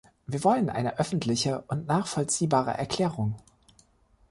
Wir wollen eine öffentliche und nachvollziehbare Erklärung.